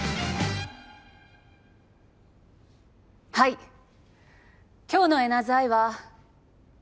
はい今日のエナズアイは。